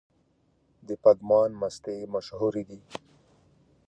د پګمان مستې مشهورې دي؟